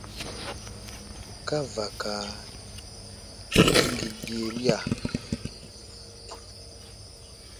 Kavaka ŋgeŋderiya.